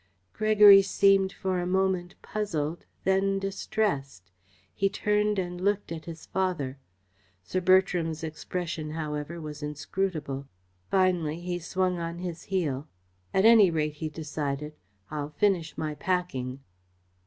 Gregory seemed for a moment puzzled, then distressed. He turned and looked at his father. Sir Bertram's expression, however, was inscrutable. Finally he swung on his heel. "At any rate," he decided, "I'll finish my packing."